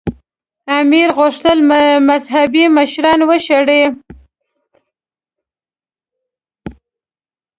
امیر غوښتل مذهبي مشران وشړي.